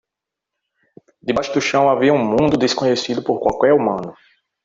Debaixo do chão havia um mundo desconhecido por qualquer humano.